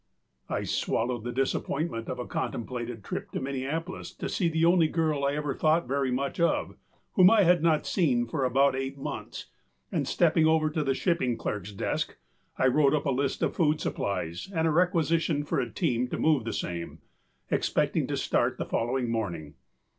â I swallowed the disappointment of a contemplated trip to Minneapolis to see the only girl I ever thought very much of, whom I had not seen for about eight months, and stepping over to the shipping clerkâs desk, I wrote up a list of food supplies and a requisition for a team to move the same, expecting to start the following morning.